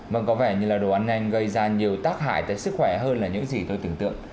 vâng có vẻ như là đồ ăn nhanh gây ra nhiều tác hại tới sức khỏe hơn là những gì tôi tưởng tượng